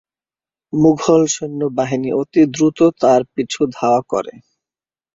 মুগল সৈন্যবাহিনী অতি দ্রুত তাঁর পিছু ধাওয়া করে।